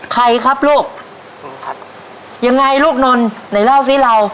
ใครครับลูกครับยังไงลูกนนไหนเล่าสิเรา